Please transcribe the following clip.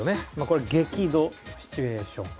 これ激怒シチュエーション。